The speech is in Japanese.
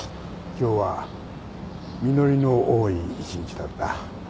今日は実りの多い一日だった。